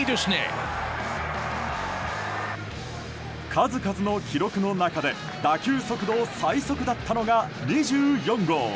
数々の記録の中で打球速度最速だったのが２４号。